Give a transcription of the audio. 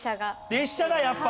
列車だやっぱ。